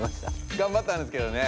がんばったんですけどね